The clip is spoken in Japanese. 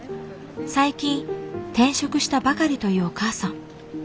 最近転職したばかりというお母さん。